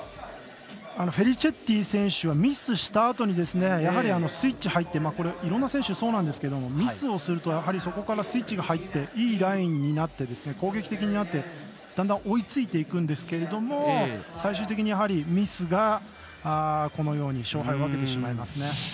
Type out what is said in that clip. フェリチェッティ選手はミスしたあとに、スイッチ入っていろんな選手そうなんですがミスをするとそこからスイッチが入っていいラインになって攻撃的になってだんだん追いついていくんですが最終的にやはりミスがこのように勝敗を分けてしまいますね。